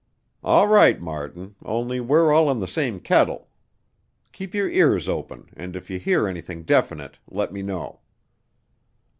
"All right, Martin, only we're all in the same kettle. Keep your ears open, and if you hear anything definite let me know."